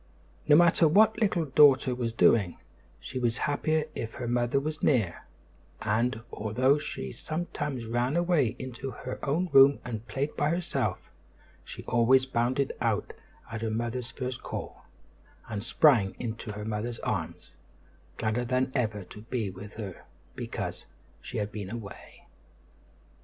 No matter what Little Daughter was doing, she was happier if her mother was near; and, although she sometimes ran away into her own room and played by herself, she always bounded out at her mother's first call, and sprang into her mother's arms, gladder than ever to be with her because she had been away.